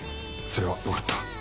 それはよかった。